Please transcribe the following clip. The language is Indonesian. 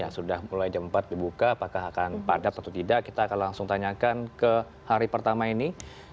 sudah mulai jam empat dibuka apakah akan padat atau tidak kita akan langsung tanyakan ke hari pertama ini